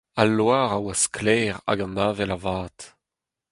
Al loar a oa sklaer hag an avel a-vat.